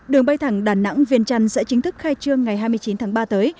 đường bay thẳng đà nẵng viên trăn sẽ chính thức khai trương ngày hai mươi chín tháng ba tới